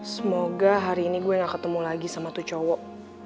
semoga hari ini gue gak ketemu lagi sama tuh cowok